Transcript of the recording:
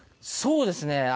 そうですね。